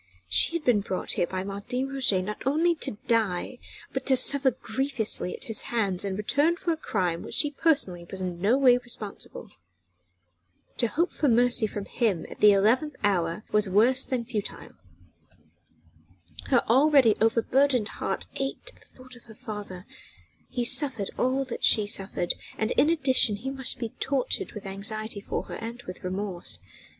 She had been brought here by Martin Roget not only to die, but to suffer grievously at his hands in return for a crime for which she personally was in no way responsible. To hope for mercy from him at the eleventh hour were worse than futile. Her already overburdened heart ached at thought of her father: he suffered all that she suffered, and in addition he must be tortured with anxiety for her and with remorse.